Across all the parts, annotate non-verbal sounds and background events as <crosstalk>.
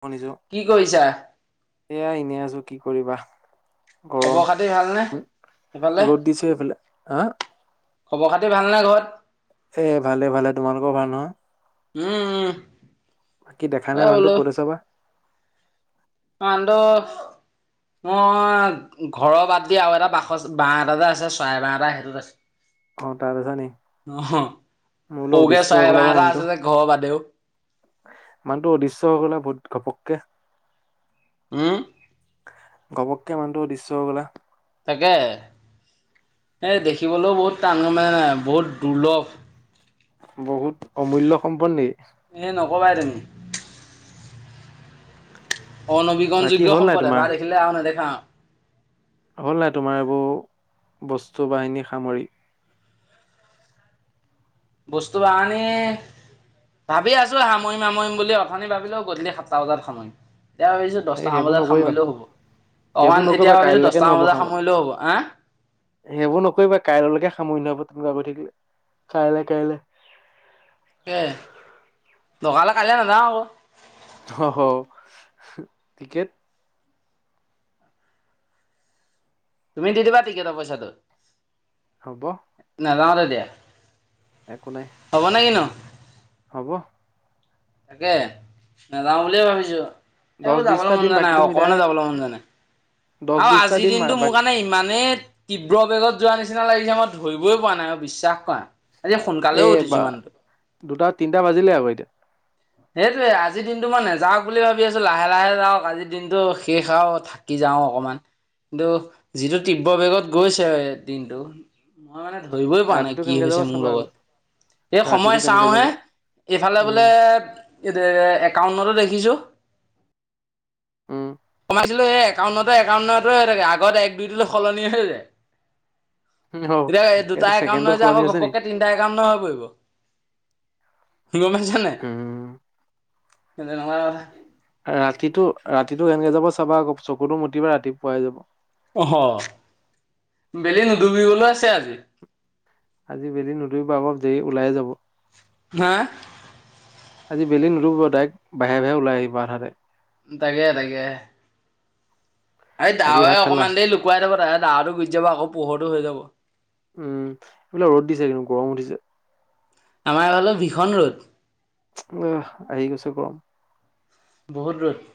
শুনিছো, কি কৰিছা? এয়া ইনে আছো কি কৰিবা। গৰম খবৰ খাতি ভালনে সেইফালে। ৰ'দ দিছে এইফালে হা খবৰ খাতি ভাল নে ঘৰত। এ ভালে-ভালে তোমালোকৰ ভাল নহয়। উম-উম। বাকী দেখা নাই মানুহটো ক'ত আছা বা। <unintelligible> মই ঘৰৰ বাদ দি আৰু এটা বাসচ বাঁহ এটাযে আছে চৰাই বাহ এটা সেইটোত আছোঁ। অ' তাত আছ' নি। মই বুলো সৰুকে অদৃশ্য চৰাই হ'লা বাঁহ বা এটা মানুহটো। আছে যে ঘৰৰ বাদেও মানুহটো অদৃশ্য হৈ গ'লে বহুত ঘপককে। উম্। ঘবককে মানুহটো অদৃশ্য হৈ গ'লা। তাকে। এই দেখিবলৈও বহুত টান গম পাইছা নাই বহুত দুৰ্লভ। বহুত অমূল্য সম্পদ নি। এ ন'কবাই তুমি। অনবীকৰণ বাকী যোগ্য হ'ল নাই সম্পদ তোমাৰ এবাৰ দেখিলে আৰু নেদেখা আৰু। হ'ল নাই তোমাৰ এইবোৰ বস্তু বাহিনী সামৰি। বস্তু বাহানি ভাবি আছো সামৰিম-সামৰিম বুলি, অথনি ভাবিলো গধুলি সাতটা বজাত সামৰিম। এতিয়া ভাবিছো এই দচটা মান সেইবোৰ বজাত নকৰিবা সামৰিলেও হ'ব। সেইবোৰ অকমান এতিয়া নকৰিবা ভাবিছো কাইলৈকে দচটামান নহ'ব বজাত সামৰি সামৰিলেও হ'ব, আ। সেইবোৰ নকৰিবা কাইলৈ লৈকে সামৰি নহ'ব। <unintelligible> তাকে, দৰকাৰ হ'লে কাইলে নাযাওঁ। অহ, টিকেট তুমি দি দিবা টিকেটৰ পইচাটো, হ'ব নাযাওঁ তেতিয়া। একো নাই হ'ব নে কি নো। হ'ব। তাকে, নাযাওঁ বুলিয়ে ভাবিছো। এই দহ মোৰ যাবলৈ বিশটা মন দিম যোৱা নাই বাকীটো মিলাই অকমানো যাবলৈ মন যোৱা নাই। দহ আৰু বিশটা আজিৰ দিম দিনটো মোৰ বাকী কাৰণে ইমানেই তীব্ৰ বেগত যোৱা নিচিনা নিচিনা লাগিছে মই ধৰিবই পৰা নাই আৰু বিশ্বাস কৰা আজি সোনকালেও এই উঠিছো বা মানুহটো। দুটা তিনিটা বাজিলে আকৌ এতিয়া সেইটোয়ে আজি দিনটো মই নাযাওক বুলি ভাবি আছো লাহে লাহে যাওক আজি দিনটো শেষ আৰু থাকি যাও অকমান কিন্তু যিটো তিব্ৰ বেগত গৈছে দিনটো মানে ধৰিবই পৰা নাই ৰাতিটো কি কেনেকে যাব হৈছে মোৰ চাবা আকৌ লগত এই সময় ৰাতিটো কেনেকে চাওঁ যাব হে এইফালে উম বোলে এইটো একাউন্টতে দেখিছো উম আছিলো এই একাউন্নত একাউন্নতে হৈ থাকে আগত এক দুইটোলৈ সলনি হৈ যায় হ এতিয়া দুটা এইটো একাউন্ট ন ছেকেণ্ডত যে সলনি আকৌ হৈছে নি ঘপককে তিনটা একাউন্ট হৈ পৰিব গমপাইছা নে নাই উম <unintelligible> ৰাতিটো ৰাতিটো কেনেকে যাব চাবা আকৌ চকুতো মুজিবা ৰাতি পুৱাই যাব আহ বেলি নুধুবিবলৈ আছে আজি আজি বেলি নুধৰিব অলপ দে ওলাইে যাব হা আজি বেলি নুদুবিব ডাইৰেক্ট বাহে বাহে ওলাই আঠাতে তাকে তাকে এই বাকী দাৱে ভাত খালা অকণমান দেৰি লুকুৱাই থাব তাহতে দাহতটো গুচি যাব আকৌ পোহৰটো হৈ যাব উম এইবিলাক ৰ'দ দিছে কিন্তু গৰম উঠিছে আমাৰ এগালত ভীষণ ৰ'দ আহ আহি গৈছে গৰম বহুত ৰ'ত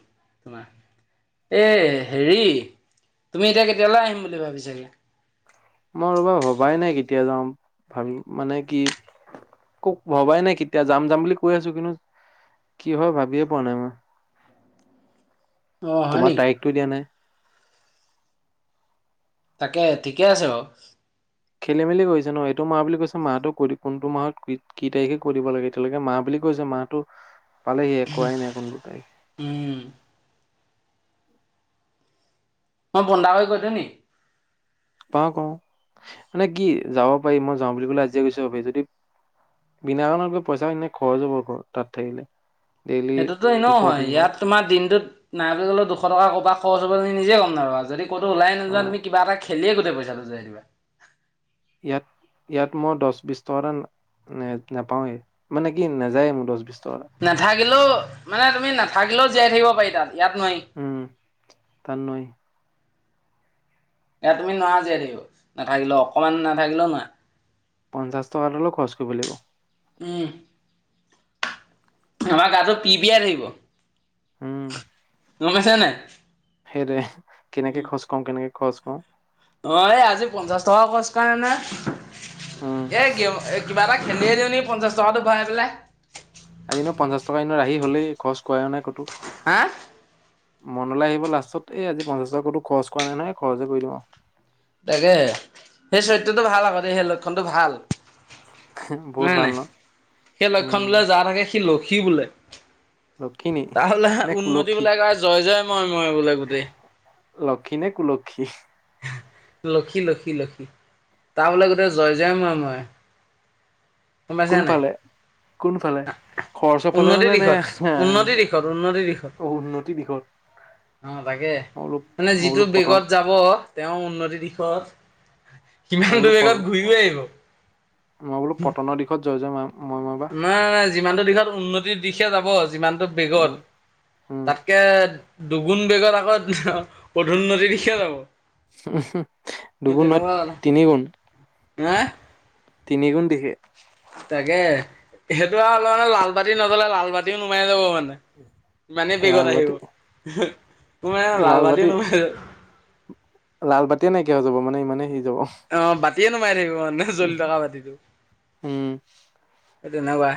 তোমাৰ এ হেৰি তুমি এতিয়া কেতিয়ালৈ আহিম বুলি ভাবিছাগে মই ৰবা ভবাই নাই কেতিয়া যাওঁ ভাবি মানে কি ভবাই নাই কেতিয়া যাম যাম বুলি কৈ আছো কিন্তু কি হয় ভাবিয়ে পোৱা নাই মই অ হয় তোমাৰ নি তাৰিখটো দিয়া নাই তাকে ঠিকে আছে বাৰু খেলি মেলি কৰিছে ন এইটো মাহ বুলি কৈছে মাহটো ক কোনটো মাহত কি তাৰিখে কৈ দিব লাগে এতিয়ালৈ মাহ বুলি কৈছে মাহটো পালেহি একোৱাই নাই কোনটো তাৰিখ উম মই বন্ধা হৈ গৈ থেনি পাওঁ কওঁ মানে কি যাব পাৰি মই যাওঁ বুলি কলে আজিয়ে গুছি যাব পাৰি বিনাকাৰনত গৈ পইচা এনে খৰচ হ'ব তাত থাকিলে ডেইলি সেইটোতো এনেও দুশ হয় তিনিশ ইয়াত তোমাৰ দিনটোত নাই বুলি ক'লেও দুশ টকা কৰবাত খৰচ হ'বমি নিজে গম নাপাই আৰু আৰু যদি ক'তো ওলাই নাযোৱা আহ তুমি কিবা এটা খেলিয়ে গোটেই পইচাটো যাই দিবা ইয়াত ইয়াত মই দহ বিশ টকা এটা নাপাওৱে মানে কি নাযায়ে মোৰ দহ বিশছ নাথাকিলেও মানে তুমি নাথাকিলেও জীয়াই থাকিব পাৰি তাত, ইয়াত নোৱাৰি উম তাৰ নয় এয়া তুমি নোৱাৰা যেও নাথাকিলেও অকমান নাথাকিলেও নোৱাৰা। পঞ্চাশ টকাাত অলও খৰচ কৰিব লাগিব। উ! আমাৰ গাটো পি পিয়াই থাকিব ম কৈছে নাই? হেৰে কেনেকে খোজ কওঁ কেনেকে খোজ কওঁ অ এই আজি পঞ্চাশ টকা খচ কাৰে নে উম, এ ক এ কিবা এটা ল যওঁ ন পঞ্চাছ চটো ভয় পেলাই। আজ ন পঞ্চাশ টকা এনৰ আহি হ'লেই খৰচ ক কৰা নাই কতো, হা! মনলৈ আহিব লাষ্টত এই আজি পঞ্চাশ টাকতো খৰচ কৰা নাই নহয় খৰচে কৰি দিব। তাকে সেই চৰিত্ৰটো ভাল আগতে দ সেই লক্ষণটো ভাল। বহুত নাই - ভাল নাই ন? সেই লক্ষণ উম, বোলে যা থাকে সি লক্ষী বোলে। লক্ষিণী তাহলে নে উন্নতি কুলক্ষী? বোলে ক জয় - জয় মই - মই বোলে গোটেই। লক্ষী নে কুলক্ষী? লক্ষী- লক্ষী - লক্ষী তাৰ বোলে গোটেই জয় যাই মই - মই। কোনফালে - কোনফালে? খৰচৰ ফালে উন্নতিৰ নে নে দিশত উন্নতিৰ দিশত উন্নতিৰ দিশত উন্নতিৰ দিশত অ, তাকে মই বোলো মানে মই যিটো বোলো পতন বেগত যাব। তেও উন্নতিৰ দিশত মই সমান বোলো দৰ প বেগত ঘূৰি আহিব। মই বোলো পটনৰ দিশত জয় যাম। নাই - নাই যিমানটো দিশত উন্নতিৰ দিশে যাব। যিমানতটো উম, উম। বেগত তাতকে দুগুণ বেগৰ আগত পধোন্নদ দিখিয়ে যাব। হু - হু, দুগুণ নত তিনি গুণ অহ ', তিনি গু দিখে তাকে সেইটো আৰু অলপ মানে লাল পাতি নজলে লাল বাাতিও নুমাই যাব মানে ইমানেই বেগত লাল আহিব বাতি তোৰ মানে লাল বাতি লালবাটী নোমাই লাল বাতিয়া নাইকিয় হৈ যাব মানে ইমানে স অ, বাতিয়ে নোমাই থাকিব মানে জ্বলি থটকা বাতিটো। উম সে তেনেকুৱাই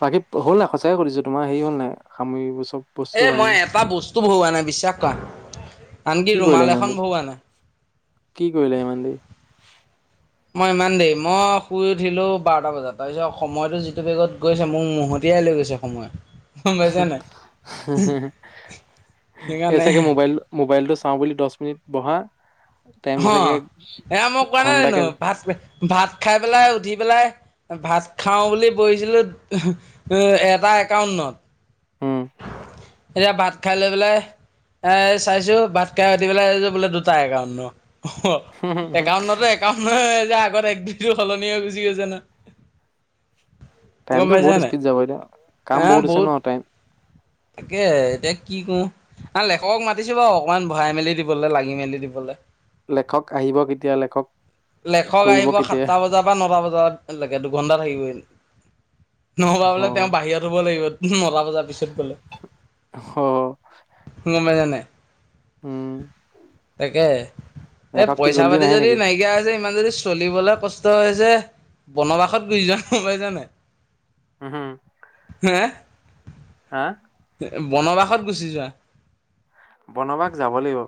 বাকী হ'ল ন সচাইে কৰিছো তোমাৰ হেৰি হ'ল নাই সামৰিবোৰ চব বস্তু এ মই বাহিনী এটা বস্তু ভহুৱোৱা নাই বিশ্বাস কৰা। আনকি কি কৰিলা ৰুমাল ইমান এখন দেৰি বহোৱা নাই। কি কৰিলো ইমান দিন মই ইমান দেৰি মই শুই উঠিলো বাৰটা বজাত তাৰপিছত সময়তো যিটো বেগত গৈছে মোক মতি আহ। গৈছে সময়। গম পাইছা নাই এই সেইকাৰণে চাগে মোবাইল মোবাইলটো চাও বুলি দহ মিনিট বহা। হ টাইমটো চাগে এ মই কোৱা নাই জানো ঘন্টাকে ভাত - ভাত ভাত খাই পেলাই উঠি পেলাই ভাত খাওঁ বুলি বহিছিলো এটা একা। অহ ', হম। এতিয়া ভাত খাই লৈ পেলাই এ চাইছো ভাতকাই ভতি পেলাই বোলে দুটাই কাৰন। অ, একাউন্নতে একাউন্ন যে আগত টো সলনিয় গুজি গৈছেনা। টাইমতটো বহুত স্পীড যাব এতিয়া কাম বহুত আ হৈছে ন টাইম। তাকে এতিয়া কি কোও। ন লেখকক মাতিছো ব অকমান ভৰাই মেলি দিবলৈ লাগি মেলি দিবলৈ। লেখক আহিব কেতিয়া লেখক লেখক কৰিব আহিব কেতিয়া সাতটা বজাৰ বা নটা বজা লৈকে দুঘন্টা থাকিবই। নবা অ বোলে তেও বাহিৰত হব লাগিব। নটা বজাৰ পিছত গলে অ গমাই জানে। উম তাকে এই লেখক কি পইচা জল্দি পাতি নাহে যদি নেকি নাইকিয়া। ইমান দেৰি চলিবলে কষ্ট যে বনবাসত গুচি যোৱা পাই জানে। হুম - হুম। হেহ, বনবাসত গুচি যোৱা। বনবাস যাব লাগিব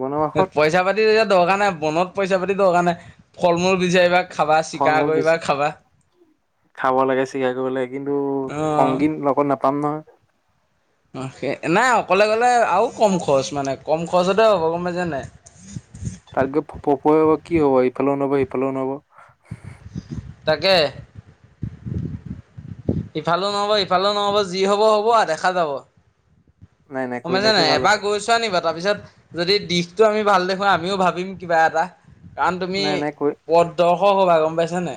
বনবাসত তিয়া দৰকাৰ নাই বনক পইচা পাতি দৰকাৰ নাই ফল মূল বিচাৰিবা খাবা ফল চিকাৰ মূল কৰিবা বেছি খাবা খাব লাগে চিকাৰ কৰিব লাগে কিন্তু অ সংগীত লগত নাপাম নহয় সেই নাই অকলে গ'লে আৰু কম খৰচ মানে কম খৰচতে হ'ব গম পাই যেনোই তাৰকে পপ কি হব ইফালেও নব সিফালেও নব তাকে ইফালে নহ'ব ইফালে নহ'ব যি হব হ'ব দেখা যাব নাই নাই কৈলাশে সমমাইছানাই ভাল এবাৰ আছে গৈছোৱা নি বাৰু তাৰ পিছত যদি দিশ টো আমি ভাল দেখুৱ আমিও ভাবিম কিবা এটা কাৰণ তুমি নাই নাই কৈ পদদৰ্শক হ'বা গম পাইছানে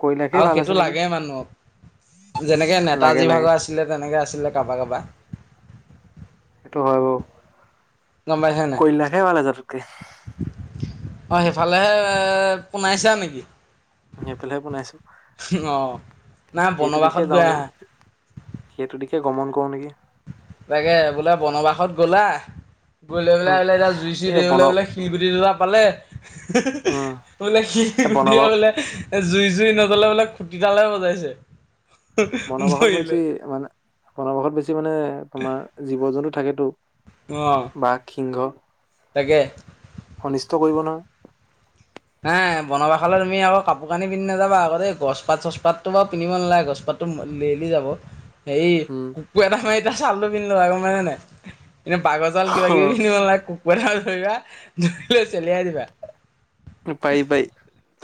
কৈলাশে আৰু ভাল আছে সেইটো নেকি লাগে মানুহক যেনেকে লাগে নেতাজী লাগে ভাগৰ আছিলে তেনেকে আছিলে কাৰোবা কাৰোবা সেইটো হয় বৌ গম পাইছা কৈ লাখে ভাল য তক অঁ সেইফালেহে পোনাইছা নেকি সেই পেলহে বনাইছো অ নাই সেইটো দিশে বনবাসত যাওঁ গৈ নেকি আহা সেইটো দিখে গমন কৰো নেকি তাকে বোলে বনবাসত গ'লা গৈ লৈ পেলাই হম আহলে এতিয়া জুই এই বন চুৰিবলৈ বোলে শিলুটি দুটা পালে উম বলে কি এই কুটিয় বনবাস বলে এ জুই জুই নজলে বোলে খুটি তালে বজাইছে বনবাসত মৰিলে। বেছি মানে বনবাসত বেছি মানে তোমাৰ জীৱ জন্তু থাকেতো অ', বাঘ সিংহ তাকে অনিষ্ট কৰিব নহয় হে বনব খাললে তুমি আক কাপোৰ কানি পিন্ধি নাাবা আগতে গছপাত চছপাত ো বাৰু পিন্ধিব নালাগে গছপাত ললি যাব সেই উম কুকুৰ এটা মাৰি তাৰ ছালটো পিন্ধ লো আক মানে নাই কিন্তু পাগজাল কিবা অ কিবি পিন্ধিব নালাগে কুকুৰাাাল ধৰিবা ধৰি লৈ চলিয়াই দিবা পাৰি পাৰি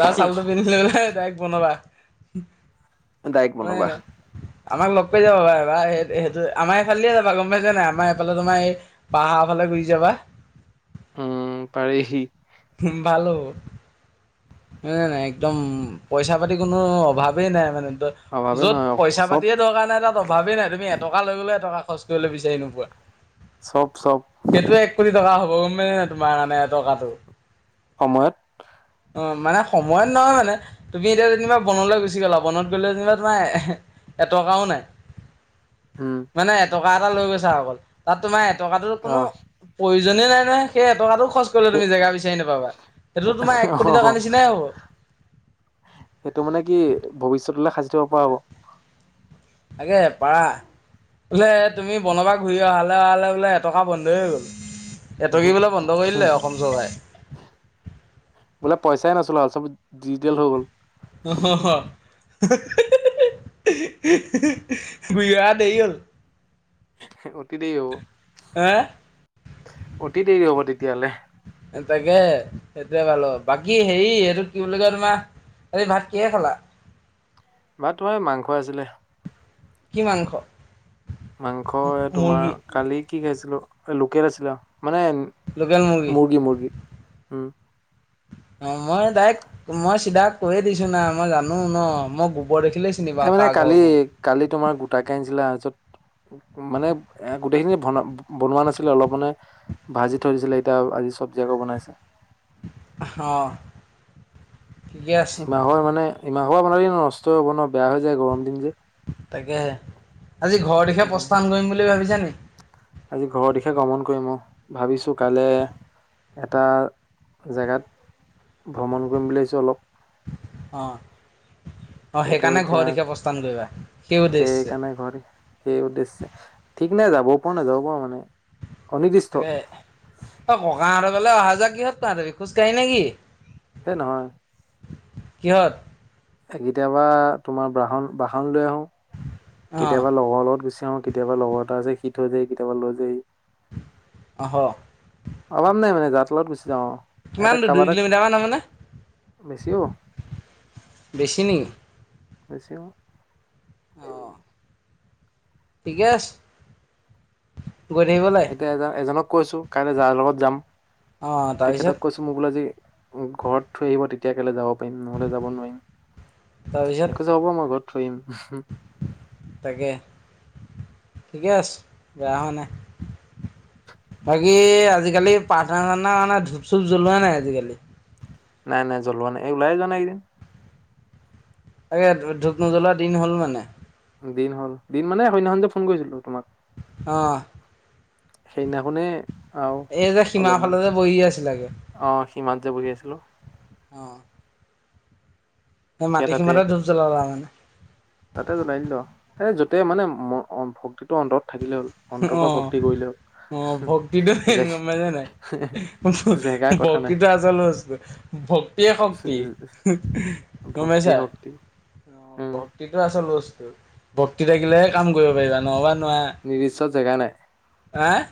তাৰ চউালটো পিন্ধিলে বোলোই তাইক বনাবা দায়ক বনো বা আমাক লগ কৰি যাব পাৰে বা সেই সেইটো আমাৰ এইফালেে যাবা গম পাইছ নাই আমাৰ এইফালে তোমাৰ এই বাহাফালে গৈ যাবা উম পাৰেি উ ভালো ন নাই একদম পইচা পাতি কোনো অভাৱেই নাই মানে অভাৱে য'ত নহয় পইচা চব পাতিে দৰকাৰ নাই তাত অভাৱেই নাই তুমি এটকা লৈ গ'লে এটকা খ বি নো চব চব সেইটোে একোি কা হ' কমে তোমাৰ কাৰণে টকাটো সময়ত অ মানে সময়ত নহয় মানে তুমি এতিয়া যেনিবা বনলৈ গুচি গ'লা বনত গ'লে যেনিবা তোমাৰ এটকাও নাই উম মানে এটকা এটা লৈ গৈছা অকল তাত তোমাৰ এটকাাতো কোনো আহ প্ৰয়োজন নাই নে সেই এটকা টো খৰচ কৰিলে তুম জগা বিচাৰ চ নাপাবা সেইটো তোমাৰ এক কোটি টকা অ নিচিনাই হ'ব সেইটো মানে কি ভৱিষ্যতলৈলে সাজি থব পৰা হ'ব আগে পাৰা বোলে তুমি বনবা ঘূৰি অহালে অহালে বোলে এটকা বন্ধই হৈ গ'ল উম এঁটকি বোলে বন্ধ কৰিলে অসম চৰাাই বোলে পইচাই নাছিলোঁ আৰু চব ডিজিটেল হৈ গ'ল উ হ হ বিৰা দেৰি হ'ল অতিীতেই হ অহ অতি দেৰি হ'ব তেতিয়াহ'লে তাকে সেইটোয়ে ভালো বাকী হেৰি এইটো কি বুলি কয় তোমাৰ এই ভাত কিহ খালা বা তোমাৰ মাংস আছিলে কি মাংস মাংস এ তোমাৰ মুৰ্গী, কালি কি খাইছিলো লোকেল আছিলা মানে মুৰ্গী মুৰ্গী উম অ মই তাইক্ মই চিধা কৈয়ে দিছো নাই মই জানো ন মই দেখিলেই চিনি এ পাওঁ মানে কাৰ ঘৰৰ কালি গৰু। কালি তোমাৰ গোটাকে আনিছিলা আহত মানে এ গোটেইখিনি বনা বনোৱা নাছিলে অলপ মানে ভাজি থৈ দিছিলে এতিয়া আজি চব্জি আকৌ বনাইছে অ ঠিকে আছে ইমাহৰ মানে ইমাহৰ পৰা ব ন নষ্ট হ'ব ন বেয়া হৈ যায় গৰম দিন যে তাকে আজি ঘৰ দিশে সেইকাৰণে। প্ৰস্থান কৰিম বুলি ভাবিছ নি আজি ঘৰৰ দিশে গ্ৰমন কৰিম ভাবিছো কাইলৈ এটা জেগাত ভ্ৰমণ কৰিম বুলি ভাবিছো অলপ অ অঁ সেইটো সেইকাৰণে এতিয়া ঘৰৰ দিশে প্ৰস্থান কৰিবা সেই উদ্দেশ্য সেইকাৰণে ঘৰত সেই উদ্দেশ্যে ঠিক নে যাব পোৱা নাযাব পোৱা মানে অনিৰ্দিষ্ট তাকে অ ককাহঁতৰ বলে অহা যোৱা কিহত তহাঁতৰ খোজ কাঢ়ি নে কিি সেই নহয় কিৃহত কেতিয়াবা তোমাৰ বাহন বাহন লৈ আহো অ', কেতিয়াবা লগৰ লগত গুচি তেওঁ কেতিয়াবা লগৰ এটা আছে শিীত হৈ যায় কেতিয়াবা লৈ যায় আহহ অভাম নাই মানে জাত তলত গুচি যাওঁ এটা কিমান দূ দুই কাৰোবাৰ এটাক কিলোমিটাৰমানান হ বেছি হ'ব মানে বেছি নি বছিও অ ঠিকে আছে গৈ থাকিব লাগে। এতিয়া এ এজনক কৈছো কাইলে যাৰ লগত যাম অ', তাৰপিছত, তেখেতক কৈছো মোৰ বোলোজি ঘৰত থৈ আহিব তেতিয়া কেলে যাব নহলে যাব তাৰপিছত নোৱাৰিম একোছ হ'ব মই ঘৰত থৈম উম তাকে ঠিকে আছে বেয়া হোৱা নাই বাকী আজিকালি পাৰ্থনাখা মানে ধূপ চুপ জ্বলোৱাই নাই আজিকালি নাই নাই জ্বলোৱা নাই এই ওলাইে যোৱা নাই একদিন আাকে ধূপ নজ্বলা দিন হ'ল মানে দিন হ'ল দিন মানে সন্্য স্য ফোন কৰিছিলো তোমাক অ সেইদিনাখনে আহ এই যে সীমাৰ অলপমান ফালে যে বহি আছিলাগে, আহ ইমানলৈ বহি আছিলো অ সেই সেয়া মাটি তাতে সীমাতে ধূপ জ্বলালা মানে তাতে জ্বলাইিল স য'তেই মানে ভক্তিটো অন্তৰত থাকিলে হ'ল অন্তৰ অ পৰা ভক্তি কৰিলে হ'ল অ ভক্তিটো জে সনেকুৱা মানে নাই জেগাৰ কথা নাই ভক্তিটো আজল ভক্তিয়ে শক্তি ভক্তি কমাইছা শক্তি উম ভক্তিটো আছে ল বস্তু ভক্তি থাকিলে কাম কৰিব পাৰিবা নহলে নিদিচ জেগা নাই? আহ,